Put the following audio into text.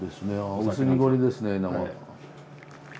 薄濁りですね。